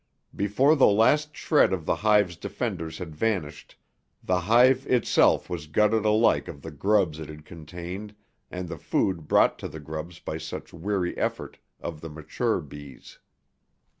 Before the last shred of the hive's defenders had vanished, the hive itself was gutted alike of the grubs it had contained and the food brought to the grubs by such weary effort of the mature bees.